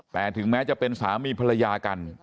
แต่ถึงแม้จะเป็นสามีภรรยากัน